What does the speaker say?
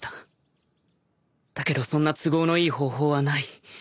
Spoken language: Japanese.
だけどそんな都合のいい方法はない。